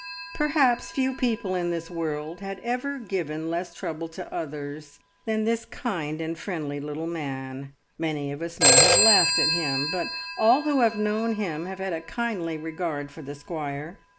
Perhaps few people in this world had ever given less trouble to others than this kind and friendly little man; many of us may have laughed at him, but all who have known him have had a kindly regard for the squire.